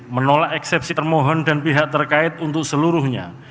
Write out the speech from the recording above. menolak eksepsi termohon dan pihak terkait untuk seluruhnya